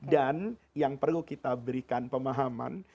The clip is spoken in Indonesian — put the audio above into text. dan yang perlu kita berikan pemahaman